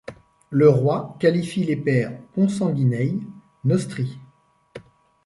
Le roi qualifie les pairs consanguinei nostri.